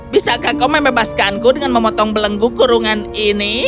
bisakah kau membebaskanku dengan memotong belenggu kurungan ini